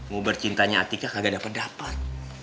gua bercintanya atika kagak dapet dapet